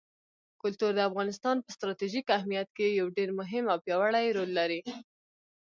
کلتور د افغانستان په ستراتیژیک اهمیت کې یو ډېر مهم او پیاوړی رول لري.